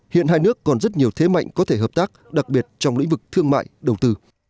hiện hai nước còn rất nhiều thế mạnh có thể hợp tác đặc biệt trong lĩnh vực thương mại đầu tư